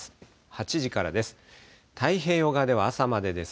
８時からです。